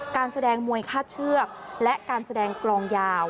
การแสดงมวยคาดเชือกและการแสดงกลองยาว